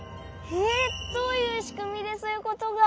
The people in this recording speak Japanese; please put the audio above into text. えっどういうしくみでそういうことが？